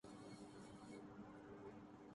پابند اڑان کر کے غفلت میں ہے زمانہ